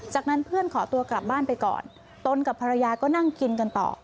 จากนั้นเพื่อนขอตัวกลับบ้านไปก่อนตนกับภรรยาก็นั่งกินกันต่อ